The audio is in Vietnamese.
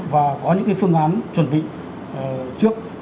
và có những cái phương án chuẩn bị trước